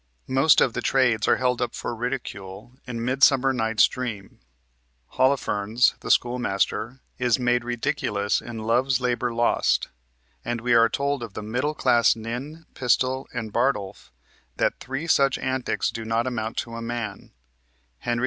Most of the trades are held up for ridicule in "Midsummer Night's Dream"; Holofernes, the schoolmaster, is made ridiculous in "Love's Labor Lost," and we are told of the middle class Nym, Pistol, and Bardolph that "three such antics do not amount to a man" (Henry V.